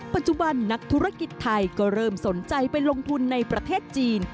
ปัจจุบันนักธุรกิจไทยก็เริ่มสนใจไปลงทุนในประเทศจีน